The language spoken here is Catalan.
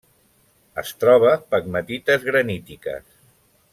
Es troba pegmatites granítiques.